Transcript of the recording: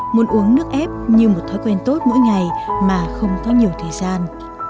muốn uống nước ép như một thói quen tốt mỗi ngày mà không có nhiều thời gian